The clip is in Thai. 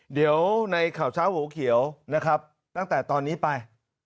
เดี๋ยวในข่าวเช้าหัวเขียวนะครับตั้งแต่ตอนนี้ไป